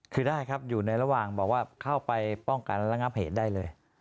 คือได้ครับอยู่ในระหว่างบอกว่าเข้าไปป้องกันและงับเหตุได้เลย